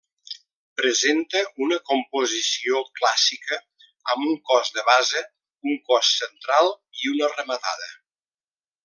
Presenta una composició clàssica, amb un cos de base, un cos central i una rematada.